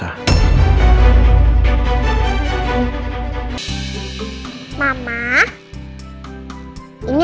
aku harus dapatkan jawabannya